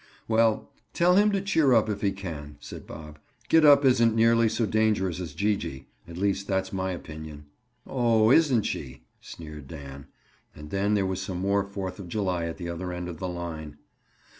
"Well, tell him to cheer up if he can," said Bob. "Gid up isn't nearly so dangerous as Gee gee. At least that's my opinion." "Oh, isn't she?" sneered Dan. And then there was some more Fourth of July at the other end of the line.